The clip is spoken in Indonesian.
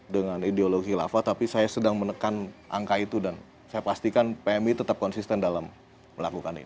dengan ideologi khilafah tapi saya sedang menekan angka itu dan saya pastikan pmi tetap konsisten dalam melakukan ini